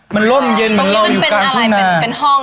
มันร่มเย็นเหมือนเราอยู่ก่างทุ่มหน้า